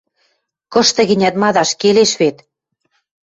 кышты-гӹнят мадаш келеш вет.